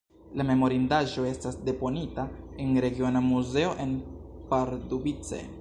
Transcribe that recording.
La memorindaĵo estas deponita en regiona muzeo en Pardubice.